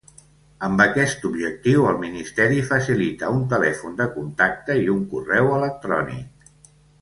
Amb aquest objectiu, el ministeri facilita un telèfon de contacte i un correu electrònic.